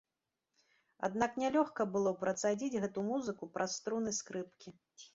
Аднак нялёгка было працадзіць гэту музыку праз струны скрыпкі.